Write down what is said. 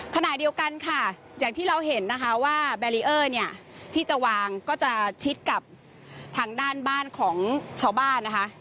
ขณะเดียวกันค่ะอย่างที่เราเห็นนะคะว่าแบรีเออร์เนี่ยที่จะวางก็จะชิดกับทางด้านบ้านของชาวบ้านนะคะ